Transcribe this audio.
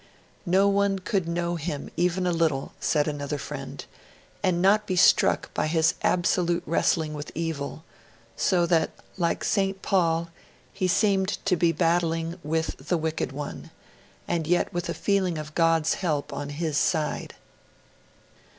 'No one could know him even a little,' said another friend, 'and not be struck by his absolute wrestling with evil, so that like St. Paul, he seemed to be battling with the wicked one, and yet with a feeling of God's help on his side.'